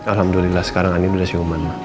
alhamdulillah sekarang andin udah siuman